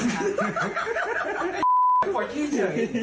ไอ้ถ้าคนขี้เตย